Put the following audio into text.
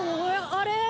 あれ？